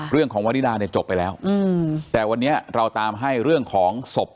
ของวริดาเนี่ยจบไปแล้วแต่วันนี้เราตามให้เรื่องของศพ